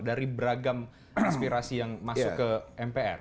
dari beragam aspirasi yang masuk ke mpr